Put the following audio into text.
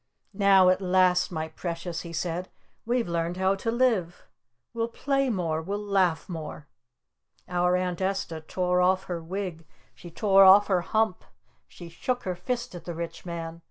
"Now, at last, my Precious," he said. "We've learned how to live! We'll play more! We'll laugh more!" Our Aunt Esta tore off her wig! She tore off her hump! She shook her fist at the Rich Man!